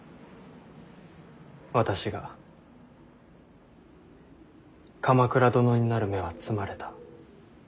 私が鎌倉殿になる芽は摘まれた。